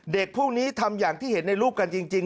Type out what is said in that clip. พวกนี้ทำอย่างที่เห็นในรูปกันจริง